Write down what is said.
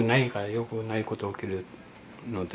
よくないこと起きるので。